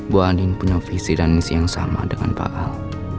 bu ani punya visi dan misi yang sama dengan pak al